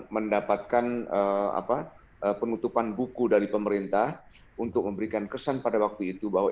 mendapatkan penutupan buku dari pemerintah untuk memberikan kesan pada waktu itu bahwa